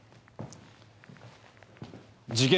事件